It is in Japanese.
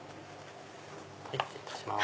失礼いたします。